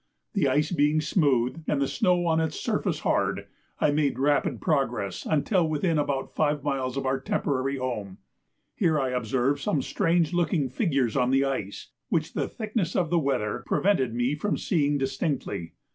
The ice being smooth, and the snow on its surface hard, I made rapid progress until within about five miles of our temporary home. Here I observed some strange looking figures on the ice, which the thickness of the weather prevented me from seeing distinctly.